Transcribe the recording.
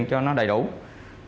cho nó đầy đủ đúng không